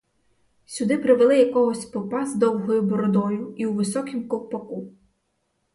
Сюди привели якогось попа з довгою бородою і у високім ковпаку.